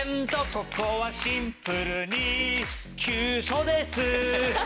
ここはシンプルに急所です